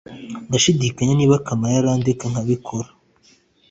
ndashidikanya niba kamana yarandeka nkabikora